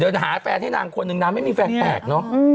หาแฟนให้นางคนนึงนางไม่มีแฟนแปลกเนอะ